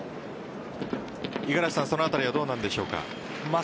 五十嵐さん、そのあたりはどうなんでしょうか？